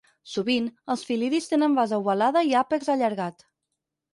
Sovint, els fil·lidis tenen base ovalada i àpex allargat.